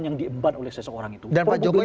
yang diemban oleh seseorang itu dan pak jokowi